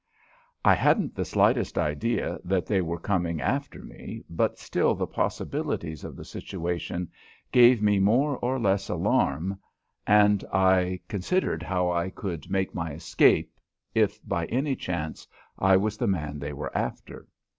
I hadn't the slightest idea that they were coming after me, but still the possibilities of the situation gave me more or less alarm, and I considered how I could make my escape if by any chance I was the man they were after.